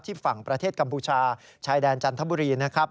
ฝั่งประเทศกัมพูชาชายแดนจันทบุรีนะครับ